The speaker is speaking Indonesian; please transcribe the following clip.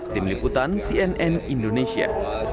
tim liputan cnn indonesia